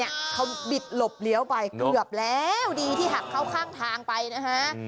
เขาบิดหลบเลี้ยวไปเกือบแล้วดีที่หักเข้าข้างทางไปนะฮะ